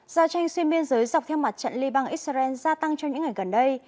giao tranh xuyên biên giới dọc theo mặt trận liban israel gia tăng trong những ngày gần đây